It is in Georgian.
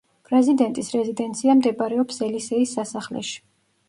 პრეზიდენტის რეზიდენცია მდებარეობს ელისეის სასახლეში.